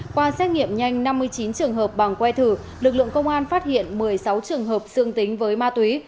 qua xét nghiệm nhanh năm mươi chín trường hợp bằng que thử lực lượng công an phát hiện một mươi sáu trường hợp dương tính với ma túy